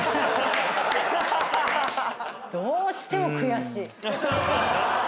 どうしても悔しい。